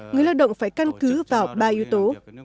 người lao động phải căn cứ vào ba yếu tố